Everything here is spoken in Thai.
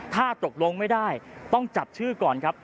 ถ้าตกลงไม่ได้ต้องจับชื่อก่อนครับ